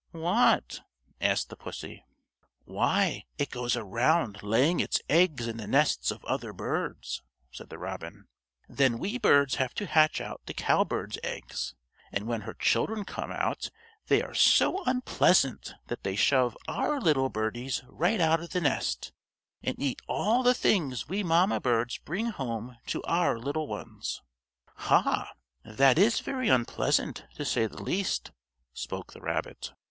"What?" asked the pussy. "Why it goes around, laying its eggs in the nests of other birds," said the robin. "Then we birds have to hatch out the cowbird's eggs, and when her children come out they are so unpleasant that they shove our little birdies right out of the nest, and eat all the things we mamma birds bring home to our little ones." "Ha! That is very unpleasant, to say the least," spoke the rabbit.